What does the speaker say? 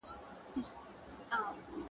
• تنها ښه نه یې زه به دي یارسم -